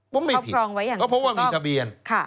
ก็ไม่ผิดเพราะว่ามีทะเบียน